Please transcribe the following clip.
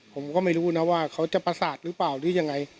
ผมก็ไม่รู้นะว่าเขาจะประสาทหรือเปล่าหรือยังไง